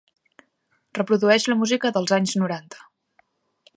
Reprodueix la música dels anys noranta.